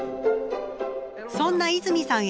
そんな泉さん